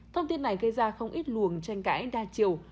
thông tin này gây ra không ít luồng tranh cãi đa chiều